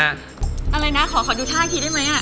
อะไรนะขอดูท่าทีได้มั้ยอ่ะ